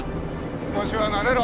少しは慣れろ。